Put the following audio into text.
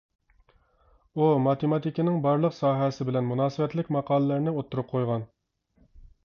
ئۇ ماتېماتىكىنىڭ بارلىق ساھەسى بىلەن مۇناسىۋەتلىك ماقاللارنى ئوتتۇرىغا قويغان.